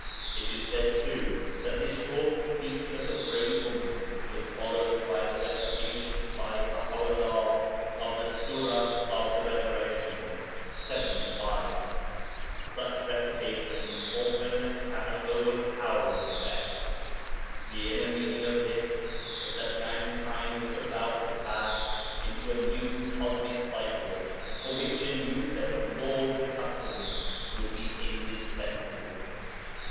It is said, too, that this short speech of the brave woman was followed by the recitation by Baha 'ullah of the Sura of the Resurrection (lxxv.). Such recitations often have an overpowering effect. The inner meaning of this was that mankind was about to pass into a new cosmic cycle, for which a new set of laws and customs would be indispensable.